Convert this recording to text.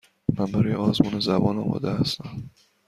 من برای آزمون زبان آماده هستم.